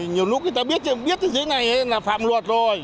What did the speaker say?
nhiều lúc người ta biết cái gì này là phạm luật rồi